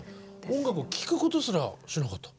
音楽を聴くことすらしなかった。